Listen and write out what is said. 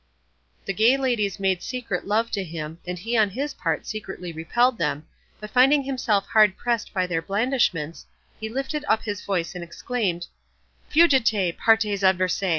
The gay ladies made secret love to him, and he on his part secretly repelled them, but finding himself hard pressed by their blandishments he lifted up his voice and exclaimed, "Fugite, partes adversae!